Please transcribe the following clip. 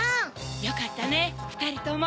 よかったねふたりとも。